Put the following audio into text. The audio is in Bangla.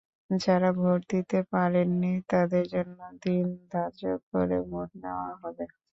যাঁরা ভোট দিতে পারেননি, তাঁদের জন্য দিন ধার্য করে ভোট নেওয়া হবে।